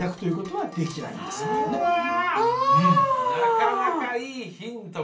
なかなかいいヒント